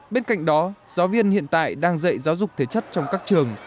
bên cạnh đó giáo viên hiện tại đang dạy giáo dục thể chất trong các trường